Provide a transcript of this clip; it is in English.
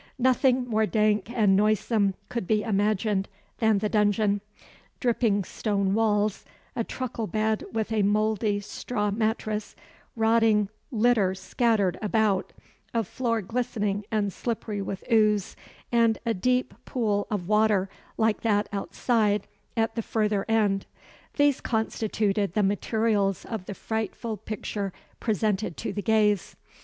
Nothing more dank and noisome could be imagined than the dungeon. Dripping stone walls, a truckle bed with a mouldy straw mattrass, rotting litter scattered about, a floor glistening and slippery with ooze, and a deep pool of water, like that outside, at the further end, these constituted the materials of the frightful picture presented to the gaze.